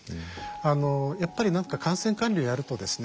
あのやっぱり何か感染管理をやるとですね